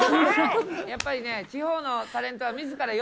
やっぱりね、地方のタレント